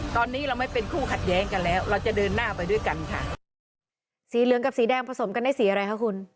สีเหลืองกับสีแดงผสมกันได้สีอะไรครับคุณ